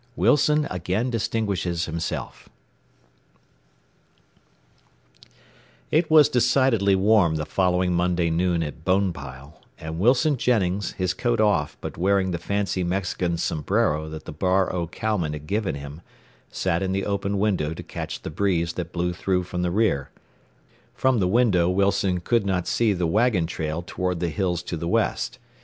XVII WILSON AGAIN DISTINGUISHES HIMSELF It was decidedly warm the following Monday noon at Bonepile, and Wilson Jennings, his coat off, but wearing the fancy Mexican sombrero that the Bar O cowmen had given him, sat in the open window to catch the breeze that blew through from the rear. From the window Wilson could not see the wagon trail toward the hills to the west.